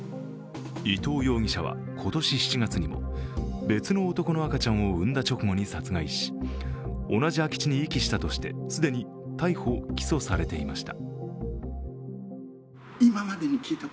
伊藤容疑者は今年７月にも別の男の赤ちゃんを産んだ直後に殺害し同じ空き地に遺棄したとして既に逮捕・起訴されていました。